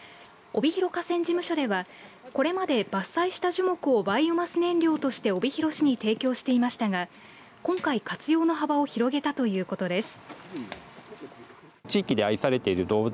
帯広河川事務所ではこれまで伐採した樹木をバイオマス燃料として帯広市に提供していましたが今回活用の幅を広げたということです。